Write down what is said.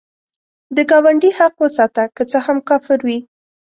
د ګاونډي حق وساته، که څه هم کافر وي